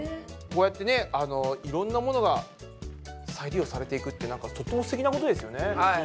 こうやってねいろんなものが再利用されていくってなんかとってもすてきなことですよね。